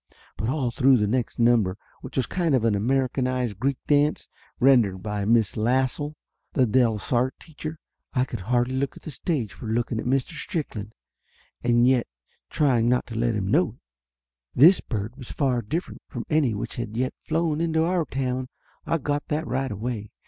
But all through the next number, which was a kind of Americanized Greek dance, rendered by Miss Lassell, the Delsarte teacher, I could hardly look at the fctage for looking at Mr. Strickland, and yet trying not to let him know it. This bird was far different from any which had as yet flown into our town; I got that right away.